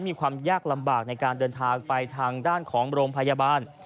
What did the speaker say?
มีความยากลำบากในการเดินทางไปทางด้านของโรงพยาบาล